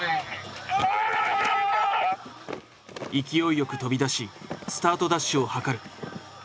勢いよく飛び出しスタートダッシュを図る。